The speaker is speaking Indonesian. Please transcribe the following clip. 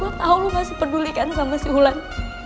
gue tau lo masih pedulikan sama si hulan